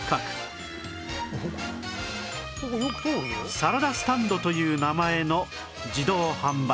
サラダスタンドという名前の自動販売機